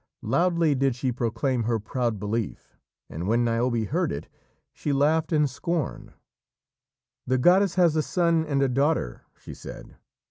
Loudly did she proclaim her proud belief, and when Niobe heard it she laughed in scorn. "The goddess has a son and a daughter," she said.